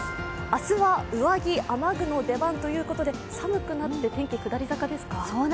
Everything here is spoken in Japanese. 明日は上着・雨具の出番ということで寒くなって天気、下り坂ですか。